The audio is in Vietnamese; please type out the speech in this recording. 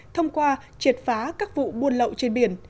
thông qua triệt phá các vụ buôn lậu trên biển